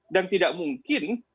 dan tidak mungkin